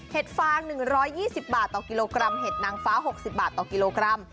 ฟาง๑๒๐บาทต่อกิโลกรัมเห็ดนางฟ้า๖๐บาทต่อกิโลกรัม